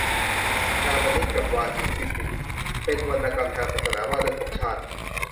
กามนิตกับวาสิฎฐี เป็นวรรณกรรมทางศาสนาว่าด้วยภพชาติ